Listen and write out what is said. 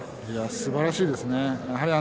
すばらしいですね。